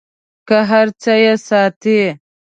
له هر څه یې ساتي .